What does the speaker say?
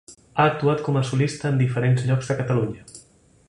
Ha actuat com a solista en diferents llocs de Catalunya.